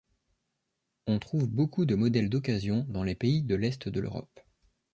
On trouve beaucoup de modèles d'occasion dans les pays de l'Est de l'Europe.